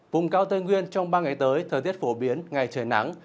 vùng cao tây nguyên trong ba ngày tới thời tiết phổ biến ngày trời nắng